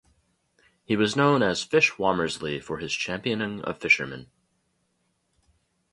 He was known as "Fish Womersley" for his championing of fishermen.